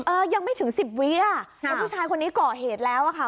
เออยังไม่ถึงสิบเวียก็ผู้ชายคนนี้ก่อเหตุแล้วอ่ะค่ะ